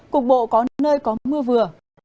cục bộ có nơi có mưa vừa